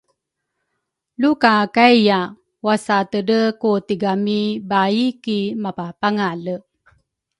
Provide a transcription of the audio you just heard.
Lukakaiya wasatedre ku tigami baai ki mapapangale